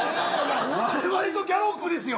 われわれとギャロップですよ